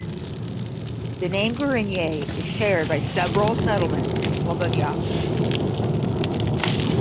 The name "Gorenje" is shared by several settlements in Slovenia.